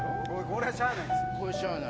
これしゃあないんす。